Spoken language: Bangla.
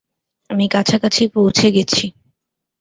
আমি কাছাকাছি পৌঁছে গেছি।